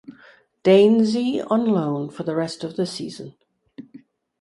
Deinze on loan for the rest of the season.